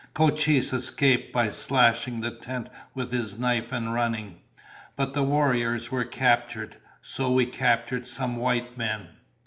Cochise escaped by slashing the tent with his knife and running. But the warriors were captured. So we captured some white men."